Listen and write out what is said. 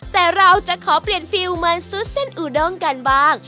แต่เราจะขอเปลี่ยนฟิลเหมือนซุดเส้นอูด้งกันบ้าง